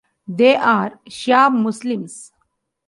They are Shia Muslims.